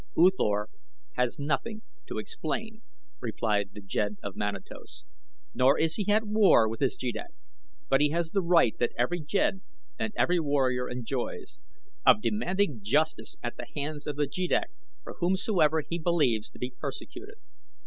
"U Thor has nothing to explain," replied the jed of Manatos; "nor is he at war with his jeddak; but he has the right that every jed and every warrior enjoys, of demanding justice at the hands of the jeddak for whomsoever he believes to be persecuted.